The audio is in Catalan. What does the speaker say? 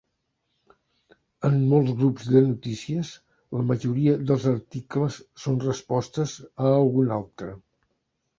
En molts grups de notícies, la majoria dels articles són respostes a algun altre.